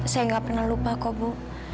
saya nggak pernah lupa kok bu